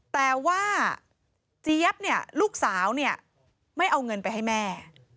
แต่ว่าเจี๊ยบลูกสาวไม่เอาเงินไปให้แม่